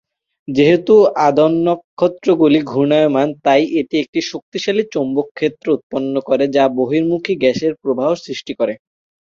যেহেতু, আদ্যনক্ষত্রগুলি ঘূর্ণায়মান তাই এটি একটি শক্তিশালী চৌম্বক ক্ষেত্র উৎপন্ন করে যা বহির্মুখী গ্যাসের প্রবাহ সৃষ্টি করে।